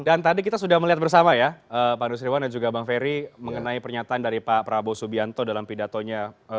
dan tadi kita sudah melihat bersama ya pak nusirwan dan juga bang ferry mengenai pernyataan dari pak prabowo subianto dalam pidatonya